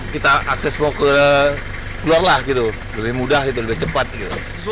kita akses mau ke luar lah gitu lebih mudah gitu lebih cepat gitu